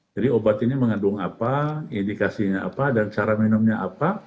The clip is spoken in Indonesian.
jadi obat ini mengandung apa indikasinya apa dan cara minumnya apa